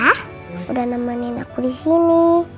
sudah nemenin aku di sini